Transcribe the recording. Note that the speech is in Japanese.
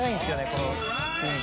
このシーンね。